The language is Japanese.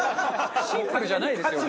シンプルじゃないですよね。